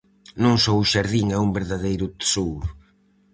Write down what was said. Non só o xardín é un verdadeiro tesouro.